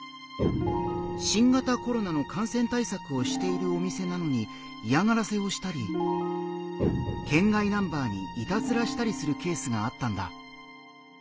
新型コロナの感染対策をしているお店なのに嫌がらせをしたり県外ナンバーにいたずらしたりするケースがあったんだ。